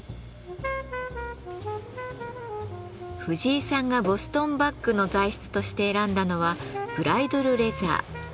藤井さんがボストンバッグの材質として選んだのはブライドルレザー。